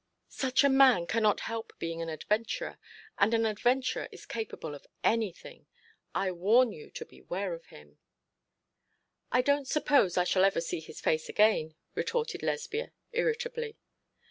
Such a man cannot help being an adventurer; and an adventurer is capable of anything. I warn you to beware of him.' 'I don't suppose I shall ever see his face again,' retorted Lesbia, irritably.